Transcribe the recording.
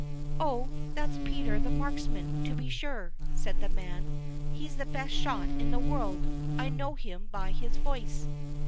"Oh, that's Peter the Marksman, to be sure," said the man. "He's the best shot in the world; I know him by his voice."